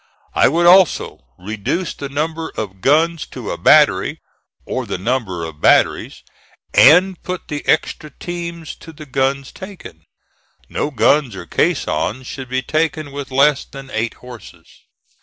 I would also reduce the number of guns to a battery, or the number of batteries, and put the extra teams to the guns taken. No guns or caissons should be taken with less than eight horses.